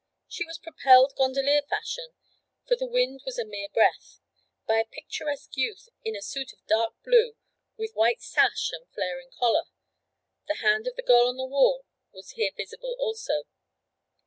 She was propelled gondolier fashion, for the wind was a mere breath, by a picturesque youth in a suit of dark blue with white sash and flaring collar the hand of the girl on the wall was here visible also.